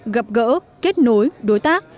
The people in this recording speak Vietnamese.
gặp gỡ kết nối đối tác